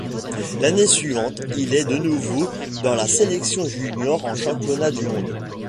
L'année suivante, il est de nouveau dans la sélection junior en championnat du monde.